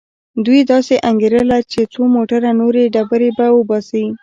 دوی داسې انګېرله چې څو موټره نورې ډبرې به وباسي.